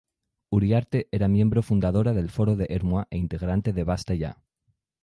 Uriarte era miembro fundadora del Foro de Ermua e integrante de ¡Basta ya!